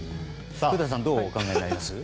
古田さんどうお考えになりますか。